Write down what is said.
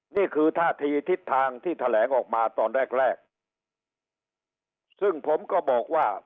นี่คือท่าทีทิศทางที่แถลงออกมาตอนแรกแรกซึ่งผมก็บอกว่า